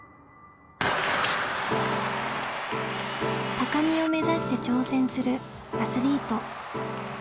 高みを目指して挑戦するアスリート。